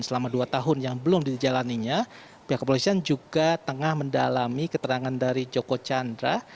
selama dua tahun yang belum dijalaninya pihak kepolisian juga tengah mendalami keterangan dari joko chandra